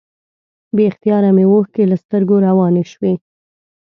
بې اختیاره مې اوښکې له سترګو روانې شوې.